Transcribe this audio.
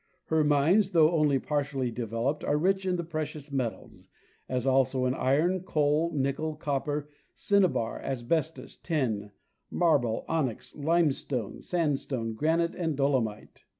Her mines, though only partially developed, are rich in the precious metals, as also in iron, coal, nickel, copper, cinnabar, asbestos, tin, marble, onyx, limestone, sandstone, granite, and dolomite.